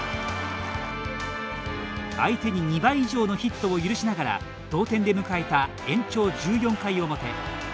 相手に２倍以上のヒットを許しながら同点で迎えた延長１４回表。